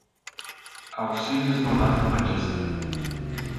Alcides Nonato Batista